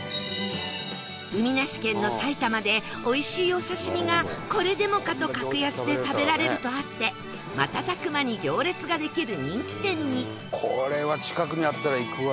海なし県の埼玉で美味しいお刺身がこれでもかと格安で食べられるとあって瞬く間に行列ができる人気店に